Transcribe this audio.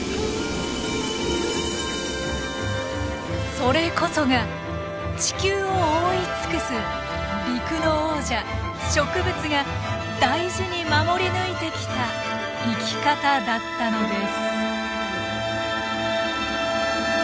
それこそが地球を覆い尽くす陸の王者植物が大事に守り抜いてきた生き方だったのです。